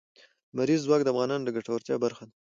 لمریز ځواک د افغانانو د ګټورتیا برخه ده.